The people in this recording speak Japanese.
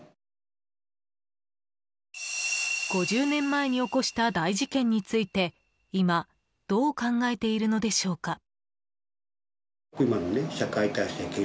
５０年前に起こした大事件について今どう考えているのでしょうか？